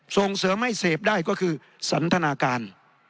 ส่งเสริมให้เสพได้ก็คือสันทนาการ